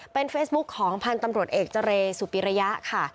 เป็นเฟซบุ๊คของพันธ์ตำรวจเอกเจรสุปิระยะค่ะ